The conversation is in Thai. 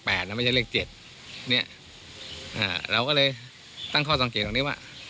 แล้วไม่ใช่เลขเจ็ดเนี้ยอ่าเราก็เลยตั้งข้อสังเกตตรงนี้ว่า